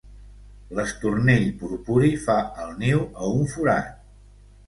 L'estornell purpuri fa el niu a un forat.